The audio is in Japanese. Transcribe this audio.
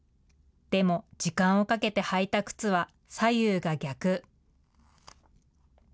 でも、時間をかけて履いた靴は左右が逆。